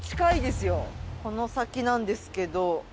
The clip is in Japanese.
この先なんですけど。